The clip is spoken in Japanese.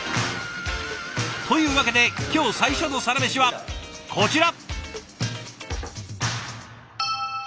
というわけで今日最初のサラメシはこちら。